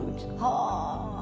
はあ。